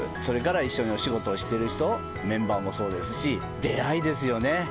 それから一緒にお仕事をしてる人メンバーもそうですし出会いですよね。